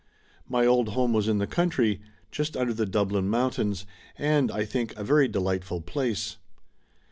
My old home was in the country, just under the Dublin mountains, and, I think, a very delightful place.